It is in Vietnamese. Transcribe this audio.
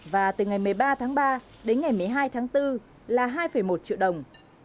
và từ ngày một mươi ba tháng ba đến ngày một mươi hai tháng bốn là hai một triệu đồng